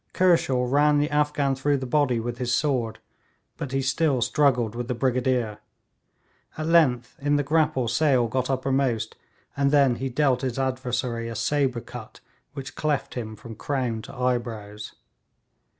Kershaw ran the Afghan through the body with his sword; but he still struggled with the Brigadier. At length in the grapple Sale got uppermost, and then he dealt his adversary a sabre cut which cleft him from crown to eyebrows.